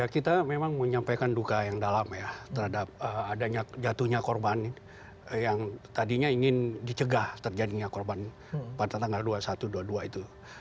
kita memang menyampaikan duka yang dalam ya terhadap adanya jatuhnya korban yang tadinya ingin dicegah terjadinya korban pada tanggal dua puluh satu dua puluh dua itu